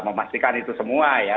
memastikan itu semua ya